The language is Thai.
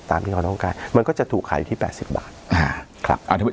ที่เขาต้องการมันก็จะถูกขายอยู่ที่๘๐บาท